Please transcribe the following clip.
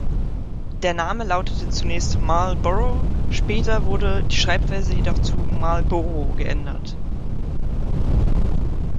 Der Name lautete zunächst „Marlborough“, später wurde die Schreibweise jedoch zu „Marlboro“ geändert.